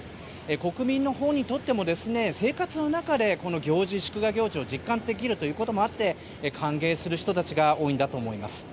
国民のほうにとっても生活の中で、この祝賀行事を実感できるということもあって歓迎する人たちが多いんだと思います。